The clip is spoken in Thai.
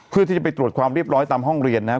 เพื่อที่จะไปตรวจความเรียบร้อยตามห้องเรียนนะครับ